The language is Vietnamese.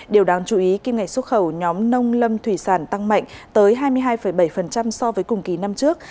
điều đáng chú ý kim ngạch xuất khẩu nhóm nông lâm thủy sản tăng mạnh tới hai mươi hai bảy so với cùng kỳ năm trước